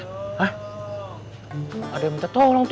hah ada yang minta tolong